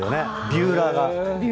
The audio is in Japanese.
ビューラーが。